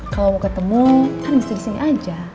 kalau mau ketemu kan bisa disini aja